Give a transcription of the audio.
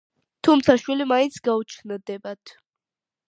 თუმცა შვილი მაინც გაუჩნდებათ.